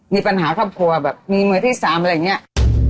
มีปัญหาครอบครัวมีมิวที่สามอะไรอย่างเงียะ